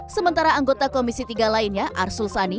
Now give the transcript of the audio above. sementara anggota komisi tiga lainnya arsul sani